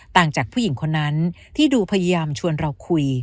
ต่างจากผู้หญิงคนนั้นที่ดูพยายามชวนเราคุย